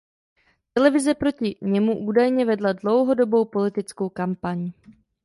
Televize proti němu údajně vedla dlouhodobou politickou kampaň.